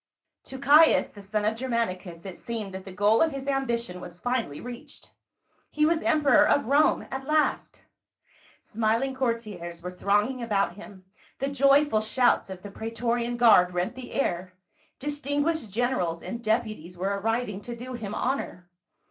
To Caius, the son of Germanicus, it seemed that the goal of his ambition was finally reached. He was emperor of Rome at last. Smiling courtiers were thronging about him, the joyful shouts of the praeto rian guard rent the air, distinguished generals and deputies were arriving to do him honor.